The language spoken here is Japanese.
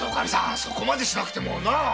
そこまでしなくてもなぁ。